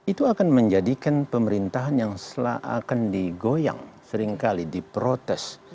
itu akan menjadikan pemerintahan yang akan digoyang seringkali diprotes